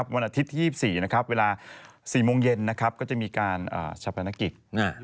วันอาทิตย์ที่๒๔เวลา๔โมงเย็นก็จะมีการชะพนักกิจ